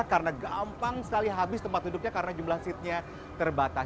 karena gampang sekali habis tempat duduknya karena jumlah seatnya terbatas